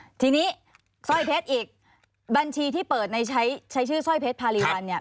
ทีนี้สร้อยเพชรอีกบัญชีที่เปิดในใช้ใช้ชื่อสร้อยเพชรพารีรันเนี่ย